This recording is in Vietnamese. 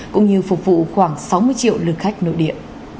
cũng như phục vụ khoảng sáu mươi triệu lượt khách nội địa